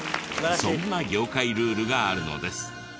そんな業界ルールがあるのです。